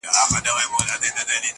ټول جهان ورته تیاره سو لاندي باندي!!